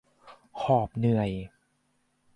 หอบเหนื่อย